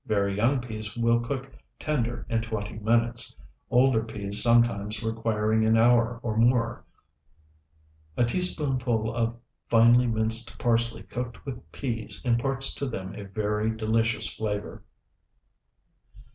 Very young peas will cook tender in twenty minutes, older peas sometimes requiring an hour or more. A teaspoonful of finely minced parsley cooked with peas imparts to them a very delicious flavor.